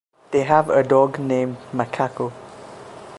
They have a dog named Macaco.